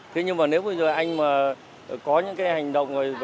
thế nhưng mà nếu bây giờ anh mà có những cái hành động